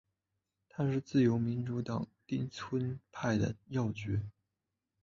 他是自由民主党町村派的要角。